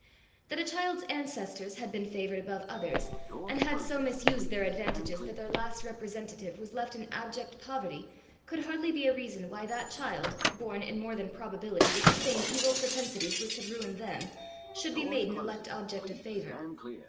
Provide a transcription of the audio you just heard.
That a child's ancestors had been favoured above others, and had so misused their advantages that their last representative was left in abject poverty, could hardly be a reason why that child, born, in more than probability, with the same evil propensities which had ruined them, should be made an elect object of favour.